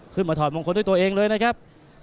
ถอดมงคลด้วยตัวเองเลยนะครับ